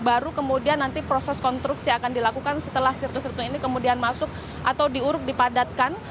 baru kemudian nanti proses konstruksi akan dilakukan setelah sirkus situs ini kemudian masuk atau diuruk dipadatkan